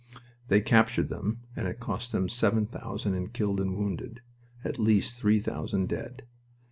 They captured them, and it cost them seven thousand in killed and wounded at least three thousand dead.